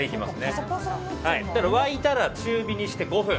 沸いたら、中火にして５分。